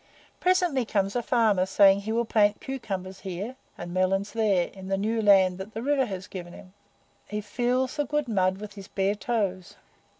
Presently comes a farmer saying he will plant cucumbers here, and melons there, in the new land that the river has given him. He feels the good mud with his bare toes.